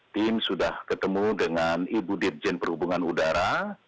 tim sudah ketemu dengan ibu dirjen perhubungan udara